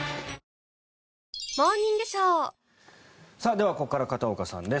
では、ここから片岡さんです。